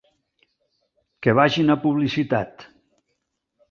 Que vagin a publicitat.